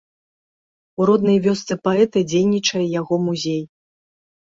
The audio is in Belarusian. У роднай вёсцы паэта дзейнічае яго музей.